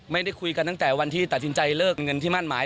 ไม่ได้คุยกันตั้งแต่วันที่ตัดสินใจเลิกเงินที่มั่นหมาย